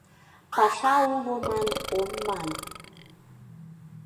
Паша уло ман ом ман...